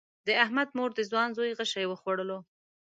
د احمد مور د ځوان زوی غشی وخوړلو.